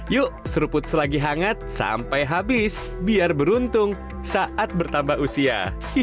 yuk seruput selagi hangat sampai habis biar beruntung saat bertambah usia